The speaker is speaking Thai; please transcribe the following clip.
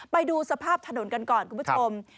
ไปดูสภาพถนนกันก่อนคุณผู้ชม